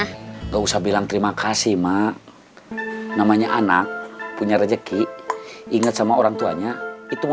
enggak usah bilang terima kasih mak namanya anak punya rezeki ingat sama orang tuanya itu